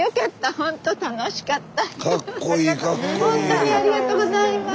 ほんとにありがとうございます！